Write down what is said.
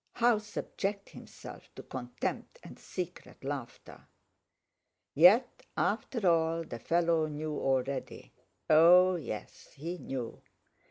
How subject himself to contempt and secret laughter? Yet, after all, the fellow knew already—oh yes, he knew!